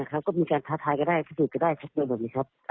ก็มีการท้าทายก็ได้พิสูจน์ก็ได้ครับโดนแบบนี้ครับ